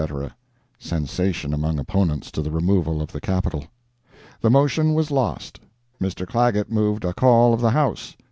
[Sensation among opponents to the removal of the Capital.] The motion was lost. Mr. Clagett moved a call of the House.